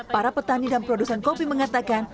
para petani dan produsen kopi mengatakan